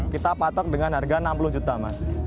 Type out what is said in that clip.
kita patok dengan harga enam puluh juta mas